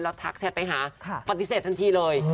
แล้วทักแชทไปหาปฏิเสธทันทีเลย